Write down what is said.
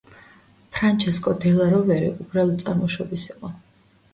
ფრანჩესკო დელა როვერე უბრალო წარმოშობის იყო.